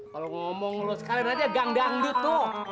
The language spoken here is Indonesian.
kalau ngomong lo sekalian aja gangdut tuh